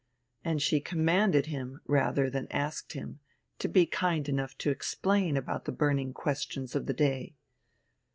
And she commanded him rather than asked him to be kind enough to explain about the burning questions of the day.